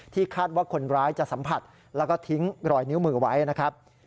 คาดว่าคนร้ายจะสัมผัสแล้วก็ทิ้งรอยนิ้วมือไว้นะครับ